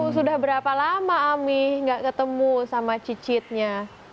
sudah berapa lama ami gak ketemu sama cicitnya